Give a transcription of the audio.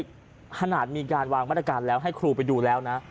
ขนาดมีการวางมาตรการแล้วให้ครูไปดูแล้วนะ